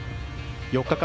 ４日間